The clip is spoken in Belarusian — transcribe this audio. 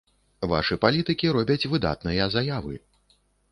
Вашы палітыкі робяць выдатныя заявы.